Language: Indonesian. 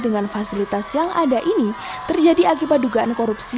dengan fasilitas yang ada ini terjadi akibat dugaan korupsi